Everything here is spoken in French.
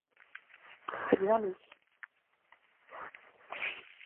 C'est bien lui.